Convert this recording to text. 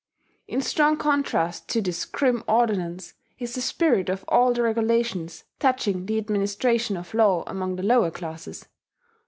In strong contrast to this grim ordinance is the spirit of all the regulations touching the administration of law among the lower classes.